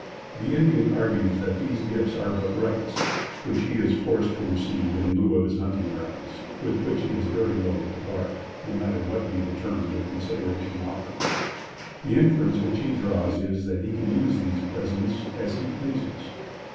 The Indian argues that these gifts are but rights which he is forced to receive in lieu of his hunting grounds, with which he is very loath to part, no matter what be the terms or consideration offered. The inference which he draws is, that he can use these presents as he pleases.